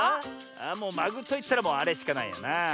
もう「まぐ」といったらもうあれしかないよな。